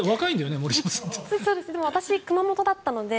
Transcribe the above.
私、熊本だったので。